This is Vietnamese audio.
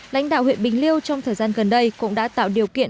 lãnh đạo huyện bình liêu trong thời gian gần đây cũng đã tạo điều kiện